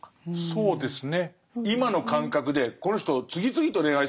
そうですね。